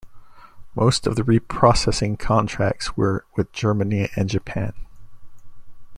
Most of the reprocessing contracts were with Germany and Japan.